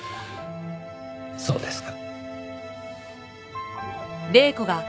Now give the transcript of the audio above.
そうですか。